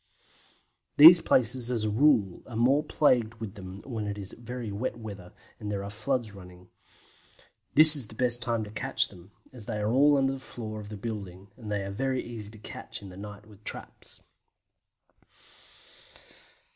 These places as a rule are more plagued with them when it is very wet weather and there are floods running. This is the best time to catch them, as they are all under the floor of the building, and are very easy to catch in the night with the traps.